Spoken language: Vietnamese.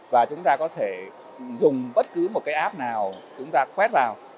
và chúng ta có thể dùng bất cứ một cái app nào chúng ta quét vào